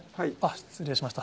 失礼しました。